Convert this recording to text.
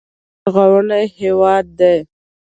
افغانستان یو لرغونی هیواد دی.